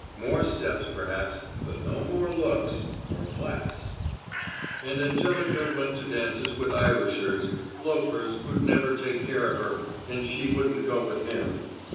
More steps perhaps, but no more looks or class. And Angelica went to dances with Irishers, loafers who'd never take care of her, and she wouldn't go with him.